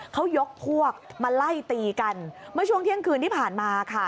เขายกพวกมาไล่ตีกันเมื่อช่วงเที่ยงคืนที่ผ่านมาค่ะ